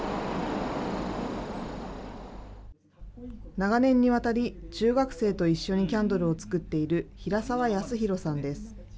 長年にわたり、中学生と一緒にキャンドルを作っている、平澤康宏さんです。